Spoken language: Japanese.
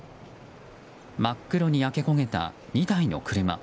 真っ黒に焼け焦げた２台の車。